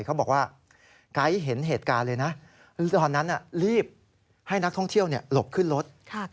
เขาบอกว่าไก๊เห็นเหตุการณ์เลยนะตอนนั้นรีบให้นักท่องเที่ยวหลบขึ้นรถ